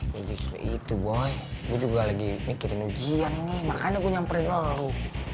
gak bisa gitu boy gue juga lagi mikirin ujian ini makanya gue nyamperin lo lalu